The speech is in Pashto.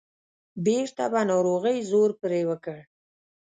بیرته به ناروغۍ زور پرې وکړ.